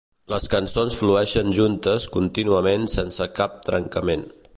Les cançons flueixen juntes contínuament sense cap trencament.